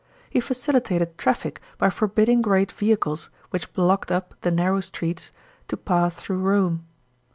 He facilitated traffic by forbidding great vehicles, which blocked up the narrow streets, to pass through Rome.